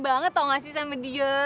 banget tau gak sih sama dia